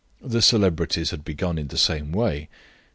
The celebrities had begun in the same way.